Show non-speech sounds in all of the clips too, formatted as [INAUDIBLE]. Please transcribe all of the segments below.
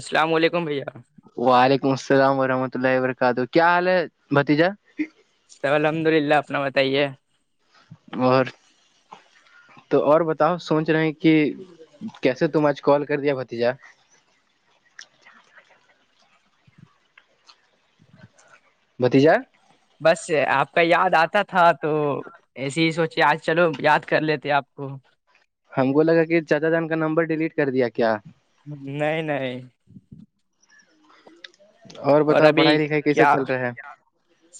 السلام علیکم بھیا وعلیکم السلام ورحمۃ اللہ وبرکاتہ کیا حال ہے بتیجا تو الحمد للہ اپنا بتائیے اور تو اور بتاؤ سوچ رہے ہیں کہ کیسے تم آج کال کر دیا بھتیجا بتیجا بس آپ کا یاد آتا تھا تو ایسے ہی سوچے آج چلو یاد کر لیتے آپ کو ہم کولاگا کہ چچا جان کا نمبر ڈیلیٹ کر دیا کیا نہیں نہیں اور بتاؤ ابھی پڑھائی لکھائی کیسا کیا چل رہا ہے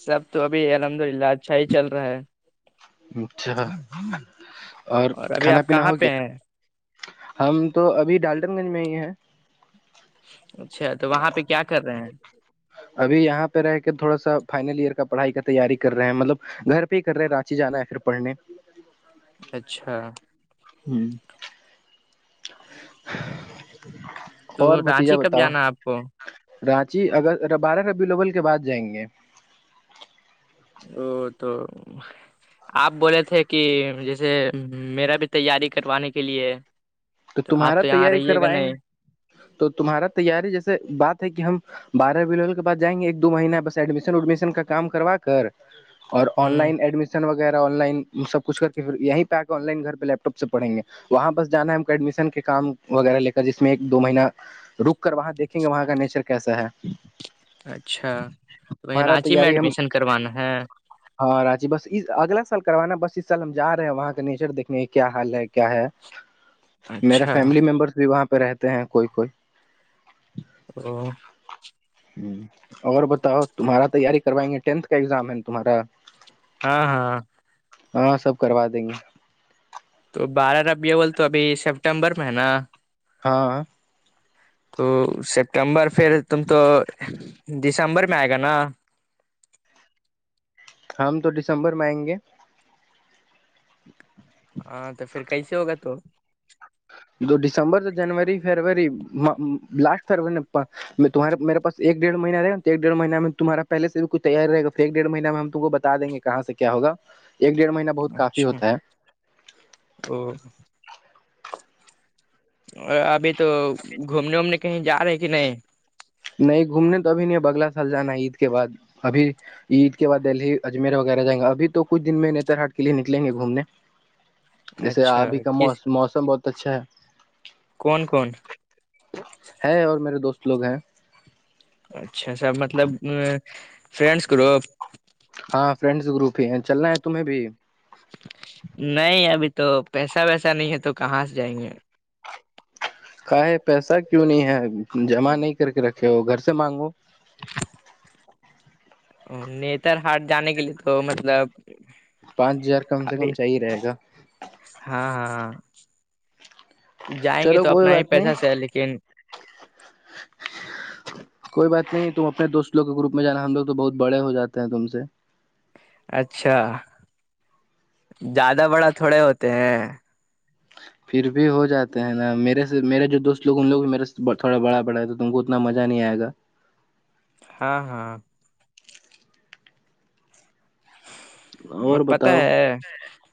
سب تو ابھی الحمد للہ اچھا ہی چل رہا ہے اچھا اور ابھی کھانا آپ پینا کہاں ہو پہ گیا ہیں ہم تو ابھی ڈالڈن گنج میں ہی ہیں اچھا تو وہاں پہ کیا کر رہے ہیں ابھی یہاں پہ رہ کے تھوڑا سا فائنل ایئر کا پڑھائی کا تیاری کر رہے ہیں مطلب گھر پہ ہی کر رہے ہیں رانچی جانا ہے پھر پڑھنے اچھا ہوں اور بھتیجا رانچی کب بتاؤ جانا ہے آپ تو رانچی اگر بارہ ربیلوبل کے بعد جائیں گے او تو آپ بولے تھے کہ جیسے میرا بھی تیاری کروانے کے لیے تو آپ تمہارا یہاں تیاری رہیے گا کروائیں نہیں گے تو تمہارا تیاری جیسے بات ہے کہ ہم بارہ بلل کے بعد جائیں گے ایک دو مہینہ بس ایڈمیشن اڈمشن کا کام کروا کر اور آن ہ لائن ایڈمیشن وغیرہ آن لائن سب کچھ کر کےھر یہیں پہ آن لائن گ پہ لیپ ٹاپ سے پڑیں گے وہاں بس جانا ایڈمیشن کے کام وغیرہ لے کر جس میں ایک دو مہینہ رک کر وہاں دیکھیں گے وہاں کا نیچر کیسا ہے اچھا تو م ہمارا رانچی میں تیاری ہم ایڈمیشن کروانا ہے ہاں راچی بس اس اگلا سال کروانا بس اس سال ہم جا رہے ہیں وہاں کا نیچر دیکھنے کیا حال ہے کیا ہے میرا اچھا فیملی ممبرس بھی وہاں پہ رہتے ہیں کوئی کوئی [UNINTELLIGIBLE] ہوں اور بتاؤ تمہارا تیاری کروائیں گے ٹینتھ کا ایگزام ہے تمہارا ہاں ہاں ہاں سب کروا دیں گے تو بارہ رب یہ بول تو ابھی سیپٹمبر میں ہے نا ہاں تو سپٹمبر پھر تم تو دسمبر میں آئے گا نا ہم تو دسمبر میں آئیں گے [INAUDIBLE] ہاں تو پھر کیسے ہوگا تو جو ڈسمبر تو جنوری فروری لاسٹ فروری نے میں تمہار میرےاس ایک ڈڑ مہ رہا ایک ڈڑ مہ میں تمہ پہے سے کو تیار رہ گاھر ایک ڈیڑ مہ میں ہم تم کو ب دیں گے کہاں سے کیا ہوگا ایک ڈیڑھ مہین اچھا او اور ابھی تو گھومنے وومنے کہیں جا رہے کہ نہیں نہیں گھومنے تو ابھی نہیں بگلا سال جانا ہے عید کے بعد ابھی عید کے بعد دہلی اجمیر وغیرہ جائیں گا ابھی تو کچھ دن میں نیتر ہاٹ کے لیے نکلیں گے گھومنے جیسے اچھا آبھی کس کاوس موسم بہت اچھا ہے کون کون ہے اور میرے دوست لوگ ہیں اچھا سر مطلب ا فرینڈس گروپ ہاں فرینڈس گروپ ہی ہیں چلنا ہے تمہیں بھی نہیں ابھی تو پیسہ ویسا نہیں ہے تو کہاں سے جائیں گے کا ہے پیسہ کیوں نہیں ہے جمع نہیں کر کے رکھے ہو گھر سے مانگو نتر ہاٹ جانے کے لیے تو مطلب پانچ ہزار کم سے کم ابھی چاہی رہے گا ہاں ہاں جائیں گے چلو تو کوئی اپنا ہی بات نہیں پیسہ سے لیکن [UNINTELLIGIBLE] کوئی بات نہیں تم اپنے دوستوں کے گروپ میں جانا ہم لگ تو بہت بڑے ہو جاتے ہیں تم سے اچھا زیادہ بڑا تھوڑے ہوتے ہیں پھر بھی ہو جاتے ہیں نا میرے سے میرے جو دوست لگ لوگ میرے سے تھوڑا بڑا بڑا ہے تو تم کو اتنا مزہ نہیں آئےا ہاں ہاں اور پتا ہے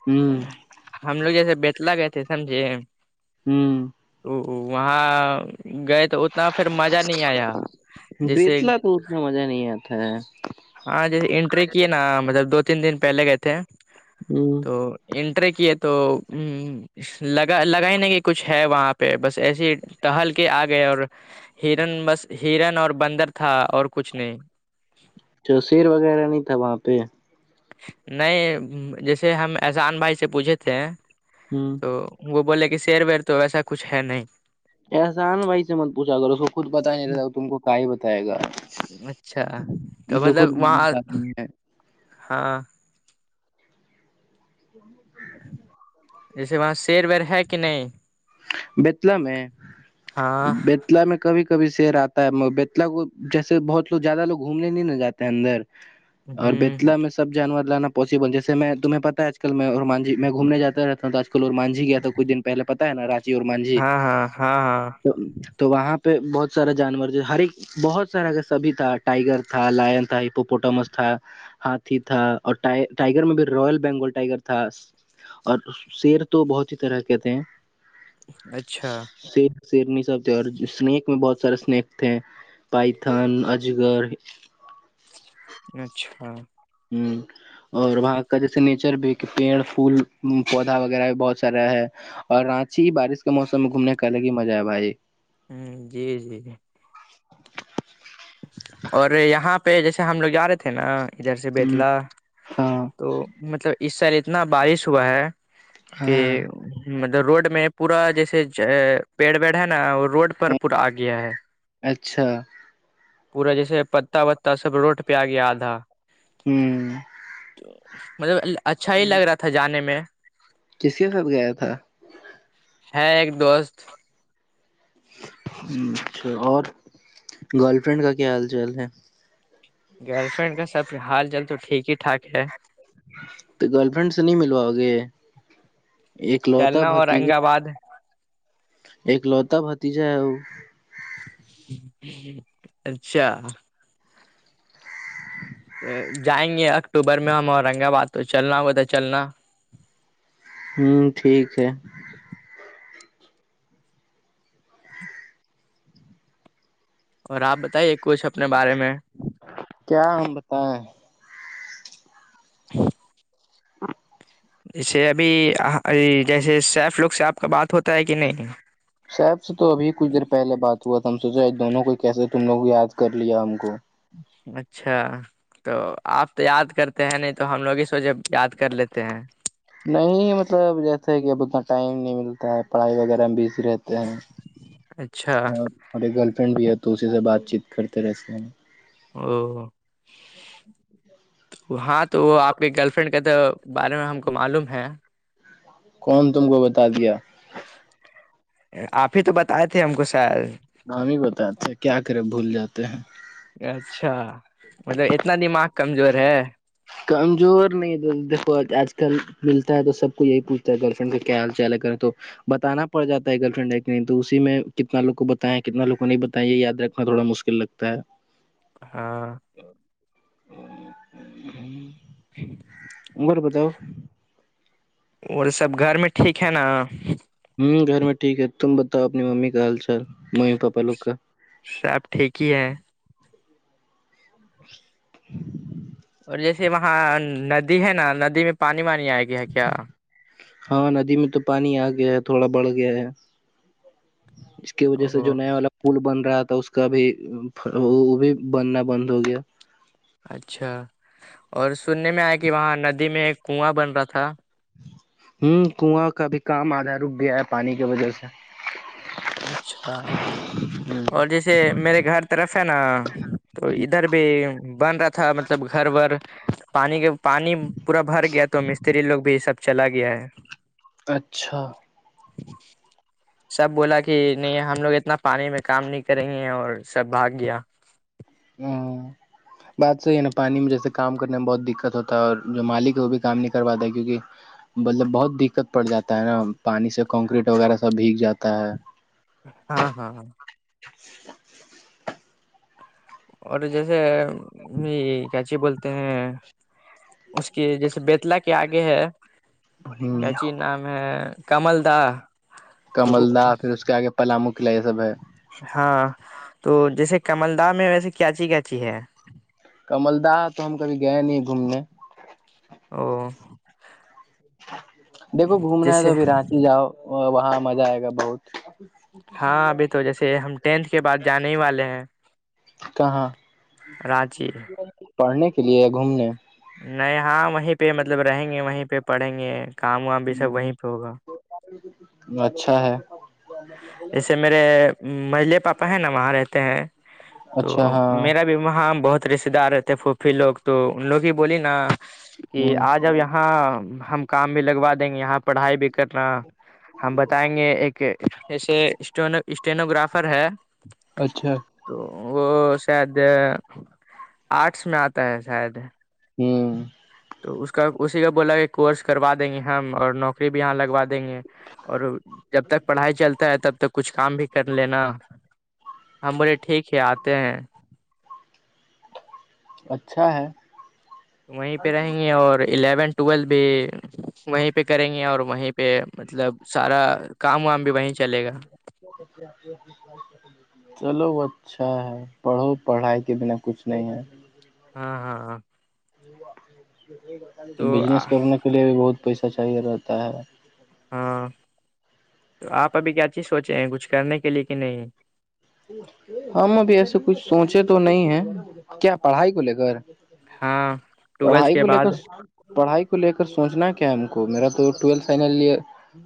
ہوں ہم لوگ جیسے بیٹ لگائیں تھے سمجھے ہمم تو وہاں گئے تو اتنا پھر مزہ نہیں آیا جیسے بیتلا تو اتنا مزہ نہیں آتا ہے ہاں جیسے انٹری کیے نا مطلب دو تین دن پہلے گئے تھے ہمم تو انٹرے کیے تو ہ لگا لگ ہی نہیں کہ کچھ ہے وہاں پہ بس ایسے ہی ٹہل کے آگئے اور ہرن بس ہرن اور بندر تھا اور کچھ نہیں جو شیر وغیرہ نہیں تھا وہاں پہ نہیں جیسے ہم احسان بھائی سے پوچھے تھے ہمم تو وہ بولے کہ شیر ویر تو ویسا کچھ ہے نہیں احسان بھائی سے مت پوچھا اگر اس کو خود بتا ہی نہیں رہتا تو تم کو کا ہی بتائے گا اچھا یہ تو خود مطلب م وہاں خمی ہے ہاں [UNINTELLIGIBLE] جیسے وہاں شیر ویر ہے کہ نہیں بیتلا میں ہاں بیت بیتلا میں کبھی کبھی شیر آتا ہے م بیتلا کو جیسے بہت لوگ زیادہ لوگ گھومنے نہیں نہ جاتے ہیں اندر ہ اور بیتلا میں سب جانور لانا پاسبل جیسے میں تمہیں پتا ہے آج کل میں مانجی میں گھومنے جاتا رہتا ہوں آکل اور مانجھی گیا تھا کچھ دن پہے پتا ہے نا مانھی ہاں ہاں ہاں ہاں تو وہاں پہ بہت سارا جانور جو ہر ایک بہت سارا کاگر سبھی تھا ٹائگر تھا لائن تھا ایپوپوٹامس تھا ہاتھی تھا اورٹ ٹائگر میں بھی روائل بینگول ٹائگر تھا اور شیر تو بہت ہی طرح کہتےے ہیں اچھا شیر سیرنی سب تھے اور اسنییک میں بہت سارے اسنیک تھے پائتھن اجگرر اچھا ہمم اور وہاں کا جیسے نیچر بھی کہ پیڑ پھول پودا وغیرہ بھی بہت سارا ہے اور رانچی بارش کے موسم میں گھومنے کا الگ ہی مزہ آئے بھائی جی جی جی اور یہاں پہ جیسے ہم لوگ جا رہے تھے نا ادھر سے ہ بیتلا ہاں تو مطلب اس سال اتنا بارش ہوا ہے کہ ہاں مطلب روڈ میں پورا جیسے پیڑ پیڑ ہے نا روڈ ر پور آ گیا ہے اچھا پورا جیسے پتا وتا سب روڈ پہ آ گیا آدھا ہوں تو مطلب اچھا ہی لگ رہا تھا جانے میں جس کے ساتھ گیا تھا ہاں ایک دوست اچھا اور گرل فرینڈ کا کیا حال چال ہے گرل فرینڈ کا سب حال جال تو ٹھیک ہی ٹھاک ہے تو گرل فرینڈ سے نہیں ملواؤ گے ایک لوتا چلنا اورنگ بھتیجا آباد ایک لوتا بھتیجا ہے وہ اچھا جائیں گے اکتوبر میں ہم اورنگ آباد تو چلنا ہوگ تو چلنا ہوں ٹھیک ہے اور آپ بتائیے کچھ اپنے بارے میں کیا ہم بتائیں [INAUDIBLE] ہ [INAUDIBLE] جے ابھی جیسے سیف لک سے آپ کا بات ہوتا ہے کہ نہیں صاحب سے تو ابھی کچھ دیر پہلے بات ہوا تھا ہم سوچے دونوں کو کیسے تم لوگ یاد کر لیا ہم کو اچھا تو آپ تو یاد کرتے ہیں نہیں تو ہم لوگ اس وج یاد کر لیتے ہیں نہیں مطلب جیسا ہے کہ اب اتنا ٹائم نہیں ملتا ہے پڑھائی وغیرہ میں بزی رہتی اچھا اور ہمے گرل فرینڈ بھی ہے تو اسی سے بات چیت کرتے رہتے ہیں او [UNINTELLIGIBLE] ا [INAUDIBLE] ہاں تو وہ آپ کے گرل فرینڈ کا تو بارے میں ہم کو معلوم ہے کون تم کو بتا دیا آپ ہی تو بتائے تھے ہم کو شاید ن ہی بتے کیا کریں بھول جاتے ہیں اچھا مطلب اتنا دماغ کمزور ہے کمزور نہیں دیکھو آج کل ملتا ہے تو سب کو یہی پوچھتا ہے گرل فرینڈ کا کیا حال چال کریں تو بتانا پڑ جاتا ہے گرل فرینڈ ہے کہ نہیں تو اسی میں کتنا لو کو بتایا کتنا لو کو نہیں بتایا یہ یاد رکھنا تھوڑا مشکل لگتا ہے ہاں ہ [INAUDIBLE] ہ [INAUDIBLE] ا گر بتاؤ اور سب گھر میں ٹھیک ہے نا ہوں گھر میں ٹھیک ہے تم بتاؤ اپنی ممی کا حال چال ممی پاپا لوگ کا سب ٹھیک ہی ہے [INAUDIBLE] اور جیسے وہاں ندی ہے نا ندی میں پانی وانی آئے گی ہے کیا ہاں ندی میں تو پانی آ گیا ہے تھوڑا بڑھ گیا ہے کی وجہ سے او جو نیا والا پل بن رہا تھا اس کا بھی وہ بھی بننا بند ہو گیا اچھا اور سننے میں آیا کہ وہاں ندی میں ایک کنواں بن رہا تھا ہ کنواں کا بھی کام آدھا رک گیا ہے پانی کی وجہ سے اچھا ہ اور جیسے میرے گھر طرف ہے نا تو ادھر بھی بن رہا تھا مطلب گھر ب پانی کے پانی پورا بھر گیا تو مستری لوگ بھی یہ سب چلا گیا ہے اچھا سب بولا کہ کہ نہیں ہم لوگ اتنا پانی میں کام نہیں کریں گے اور سب بھاگ گیا ہ [INAUDIBLE] بات صحی ہے نا پانی میں جیسے کام کرنے میں بہت دقت ہوتا ہے اور جو مالک ہے وہ بھی کام نہیں کر پاتا ہے کیوںکہ مطلب بہت دقت پڑ جاتا ہے نا پانی سے کنکریٹ وغیرہ سب بھیگ جاتا ہے ہاں ہاں ہاں اور جیسے کیاچی بولتے ہیں اس کے جیسے بیتلا کے آگے ہے کیاچی ہ نام ہے کمل دا کمل تو دہ پھر اس کے آگے پلاامو قلع یہ سب ہے ہاں تو جیسے کمل دام میں ویسے کیاچی کیاچی ہے کمل دہ تو ہم کبھی گئے نہیں گھومنے [UNINTELLIGIBLE] او [INAUDIBLE] دیکھو گھومنا ہے تو جیسے ابھی رانچی جاؤ وہاں مزہ آئے گا بہت [UNINTELLIGIBLE] ہاں ابھی تو جیسے ہم ٹینتھ کے بعد جانے ہی والے ہیں کہاں راضی [UNINTELLIGIBLE] پڑھنے کے لیے گھومنے نہیں ہاں وہیں پہ مطلب رہیں گے وہیں پہ پڑھیں گے کام وام بھی سب وہیں پہ ہوگا اچھا ہے جیسے میرے مجلے پاپا ہے نا وہاں رہتے ہیں تو اچھا ہاں میرا بھی [UNINTELLIGIBLE] وہاں بہت رشتے دار رہتے پھوپی لوگ تو ان لوگ ہی بولی نا کہ ہ آج اب یہاں ہم کام بھی لگوا دیں گے یہاں پڑھائی بھی کرنا [UNINTELLIGIBLE] ہم بتائیں گے ایک ایسے اسٹ اسٹینوگررافر ہے اچھا تو وہ شاید آرٹس میں آتا ہے شاید ہوں [INAUDIBLE] تو اس کا اسی کا بولا کہ کورس کروا دیں گے ہم اور نوکری بھی یہاں لگوا دیں گے اور جب تک پڑھائی چلتا ہے تب تک کچھ کام بھی کر لینا ہم بولے ٹھیک ہے آتے ہیں اچھا ہے وہیں پہ رہیں گے اور الیون ٹویل بھی وہیں پہ کریں گے اور وہیں پہ مطلب سارا کام وام بھی وہیں چلے گا آپ [INAUDIBLE] چلو وہ اچھا ہے پڑھو پڑھائی کے بنا کچھ نہیں ہے ہاں ہاں ہاں تو بجنس کرنے کے لیے بھی بہت پیسہ چاہیے رہتا ہے [UNINTELLIGIBLE] ہاں آپ ابھی کیا چیز سوچے ہیں کچھ کرنے کے لیے کہ نہیں ہم ابھی ایسے کچھ سوچے تو نہیں ہے کیا پڑھائی کو لے کر ہاں ٹویلتھ پڑھائی کے کو لے بعد کر پڑھائی کو لے کر سوچنا کیا ہے ہم کو میرا تو ٹویلھ فنل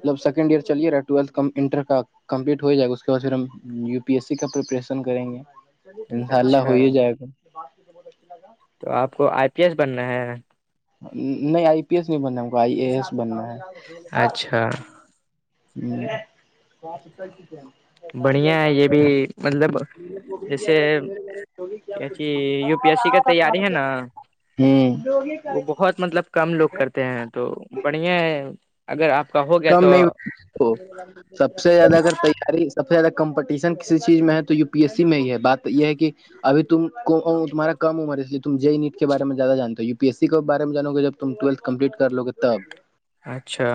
جب سیکنڈ ایئر چلیے رہا ٹویلتھ انٹر کا کمپلیٹ ہو جائے گ اس کے بد پھر ہم پی ایس سی کا پریپریشن کریں گے انشاء اللہ ہو اچھا ہی جائے گا آپ کو آئی پی ایس بننا ہے نہیں آئی پی ایس نہیں بننا ہم کو آئی ا ایس بننا ہے [UNINTELLIGIBLE] اچھا [UNINTELLIGIBLE] بڑھیا ہے یہ بھی مطلب جیسے کیا کہ یو پی ایس سی کا تیاری ہے نا ہوں وہ بہت مطلب کم لوگ کرتے ہیں تو بڑیا اگر آپ کا ہو کم نہیں سب سے زیادہ اگر ارے سب سے زیادہ کمپٹیشن کسی چیز میں ہے تو ی پی ایس سی میں ہی ہے بات یہ ہے کہ [INAUDIBLE] اب تم تمہار کمر اس لیے تم جے نیٹ کے بارے میں زیاد جانتا ہو یو پی ای سی کے بارے میں جان گے جب تم ٹولتھ کمپلیٹ کروے تب اچھا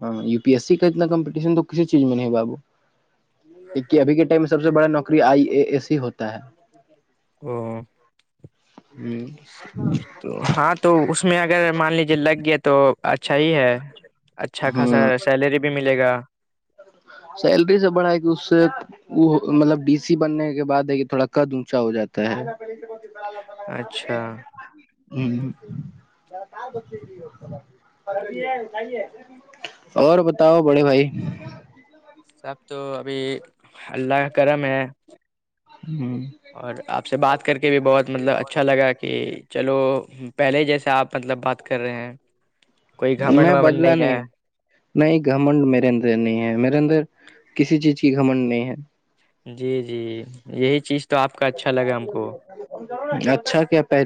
ہاں یو پی ایس سی کا اتنا کمپٹیشن تو کسی چیز میں نہیں ہے بابو ایک کہ ابھی کے ٹائم میں سب سے بڑا نوکری آئی اے ایس ہی ہوتا ہے [INAUDIBLE] [UNINTELLIGIBLE] ہوں [INAUDIBLE] ہاں تو اس میں اگر مان لیجیے لگ گیا تو اچھا ہی ہے اچھا خاصا ہ سیلری بھی ملے گا سیلری سے بڑھائے گ اس سے وہ مطلب ڈی سی بننے کے بعد ہے کہ تھوڑا قد اونچا ہو جاتا [UNINTELLIGIBLE] اچھا ما کار بچے گی ہو اور بتاؤ بڑے بھائی سب تو ابھی اللہ کرم ہے ہوں اور آپ سے بات کر کے بھی بہت مطلب اچھا لگا کہ چلو پہلے جیسے آپ مطلب بات کر رہے ہیں کوئی گھمنڈ ومنڈ نہیں ہے نہیں گھمنڈ میرے اندر نہیں ہے میرے اندر کسی چیز کی گھمنڈ نہیں ہے جی جی یہی چیز تو آپ کا اچھا لگا ہم کو اچھا کیا پہلے